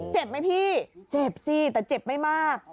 เจ็บไหมพี่เจ็บสิแต่เจ็บไม่มาก